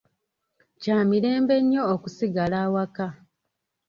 Kya mirembe nnyo okusigala awaka.